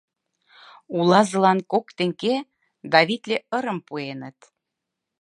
Улазылан кок теҥге да витле ырым пуэныт.